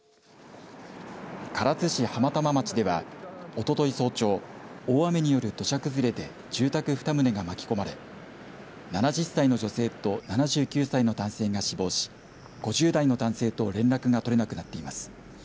唐津市浜玉町ではおととい早朝大雨による土砂崩れで住宅２棟が巻き込まれ７０歳の女性と７９歳の男性が死亡し５０代の男性と連絡が取れなくなっています。